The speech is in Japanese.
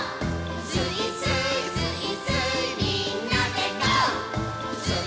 「スイスーイスイスーイみんなでゴー！」